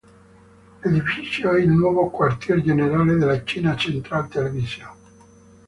L'edificio è il nuovo quartier generale della China Central Television.